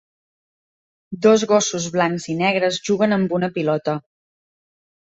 Dos gossos blancs i negres juguen amb un pilota.